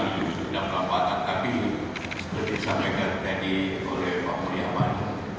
kita tidak berlambatan tapi seperti disampaikan tadi oleh pak pria man